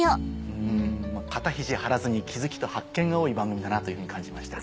肩肘張らずに気付きと発見が多い番組だなというふうに感じました。